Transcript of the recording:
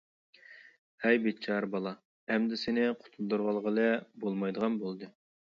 ھەي بىچارە بالا، ئەمدى سېنى قۇتۇلدۇرۇۋالغىلى بولمايدىغان بولدى.